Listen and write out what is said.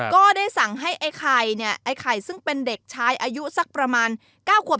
ก็ได้สั่งให้ไอ้ไข่เนี่ยไอ้ไข่ซึ่งเป็นเด็กชายอายุสักประมาณ๙ขวบ